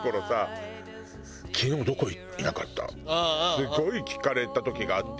すごい聞かれた時があって。